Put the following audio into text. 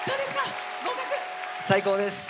最高です！